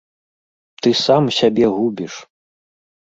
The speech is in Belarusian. Ты сам сябе губіш!